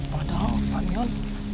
padahal pak mion